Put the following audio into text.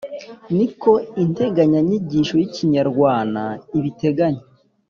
nkuko integanya nyigisho y’ikinyarwana ibiteganya.